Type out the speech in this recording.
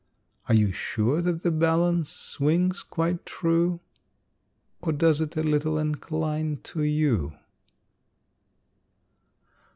Are you sure that the balance swings quite true? Or does it a little incline to you?